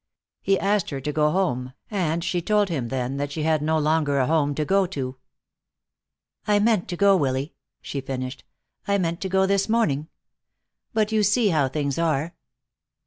He asked her to go home, and she told him then that she had no longer a home to go to. "I meant to go, Willy," she finished. "I meant to go this morning. But you see how things are."